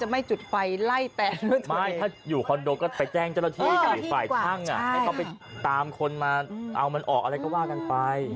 จะไม่จุดไฟไล่แตนนะตั๋วแต่อยู่คอนโดก็ไปแจ้งเจ้าละที่ฝ่ายช่างไปตามคนมาเอามันเหาะอะไรก็ว่ากันไป